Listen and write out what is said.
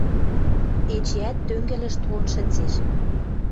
Эчеӓт тӧнгӹлӹш толын шӹнзеш.